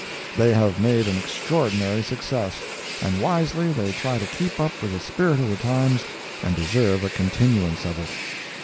They have made an extraordinary success, and wisely they try to keep up with the spirit of the times and deserve a continuance of it.